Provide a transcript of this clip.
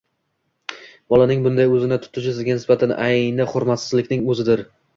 bolaning bunday o‘zini tutishi sizga nisbatan ayni hurmatsizlikning o‘zidir.